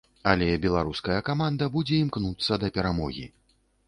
Але беларуская каманда будзе імкнуцца да перамогі.